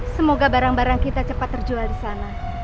semoga barang barang kita cepat terjual di sana